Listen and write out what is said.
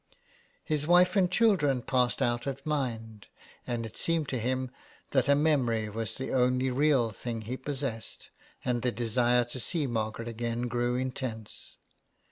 His wife and children passed out of mind, and it seemed to him that a memory was the only real thing he possessed, and the desire to see Margaret again grew intense.